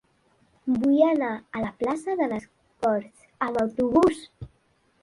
Vull anar a la plaça de les Corts amb autobús.